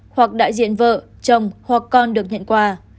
hoặc đại diện vợ chồng hoặc con được nhận quà